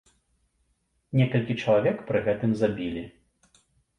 Некалькі чалавек пры гэтым забілі.